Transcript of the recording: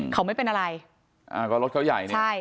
เขาไม่เป็นอะไร